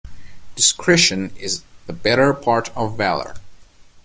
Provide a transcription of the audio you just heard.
Discretion is the better part of valour.